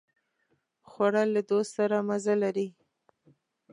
خوړل له دوست سره مزه لري